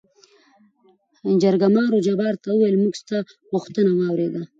جرګمارو جبار ته ووېل: موږ ستا غوښتنه وارېده.